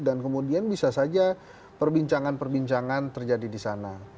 dan kemudian bisa saja perbincangan perbincangan terjadi di sana